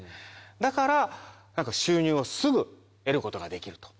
だから収入をすぐ得ることができると。